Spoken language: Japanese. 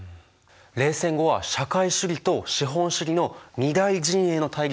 冷戦後は社会主義と資本主義の二大陣営の対立ではないんだよね。